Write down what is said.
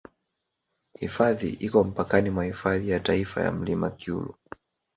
Hifadhi iko mpakani mwa Hifadhi ya taifa ya milima ya Cyulu